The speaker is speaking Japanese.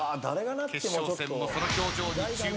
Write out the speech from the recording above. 決勝戦もその表情に注目。